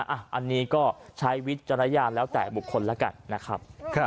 อันนี้ก็ใช้วิจารณญาณแล้วแต่บุคคลแล้วกันนะครับ